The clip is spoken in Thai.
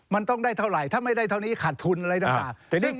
มันต้องได้เท่าไหร่ถ้าไม่ได้เท่านี้ขาดทุนอะไรต่าง